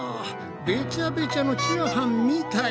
べちゃべちゃのチャーハンみたい。